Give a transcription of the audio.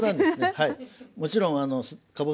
はい。